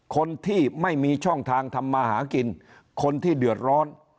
คนที่ไม่มีช่องทางทำมาหากินคนที่เดือดร้อน